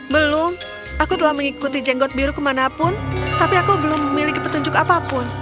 belum aku telah mengikuti jenggot biru kemanapun tapi aku belum memiliki petunjuk apapun